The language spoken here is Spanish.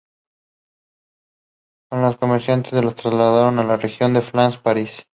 Los comerciantes se trasladaron a la región de los flathead país.